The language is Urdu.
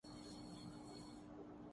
اگر محنت کرو گے تو کامیابی ملے گی